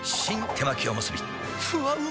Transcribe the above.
手巻おむすびふわうま